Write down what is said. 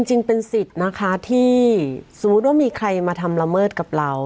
จริงเป็นสิทธิ์นะคะที่สมมุติว่ามีใครมาทำละเมิดกับเรา